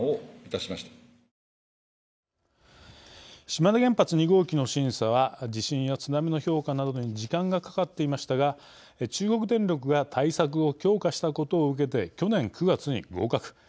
島根原発２号機の審査は地震や津波の評価などに時間がかかっていましたが中国電力が対策を強化したことを受けて、去年９月に合格。